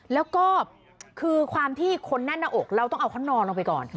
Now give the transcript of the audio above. แล้วก็คือความที่คนแน่นหน้าอกเราต้องเอาเขานอนลงไปก่อน